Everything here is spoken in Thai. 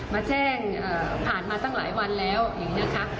มาแจ้งผ่านมาตั้งหลายวันแล้วอย่างนี้นะคะ